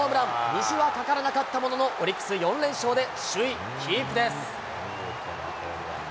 虹はかからなかったものの、オリックス、４連勝で首位キープです。